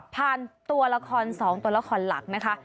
ตัวละคร๒ตัวละครหลักนะคะ